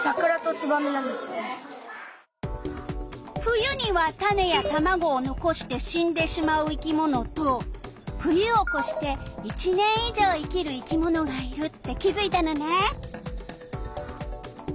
冬にはたねやタマゴをのこして死んでしまう生き物と冬を越して１年いじょう生きる生き物がいるって気づいたのね。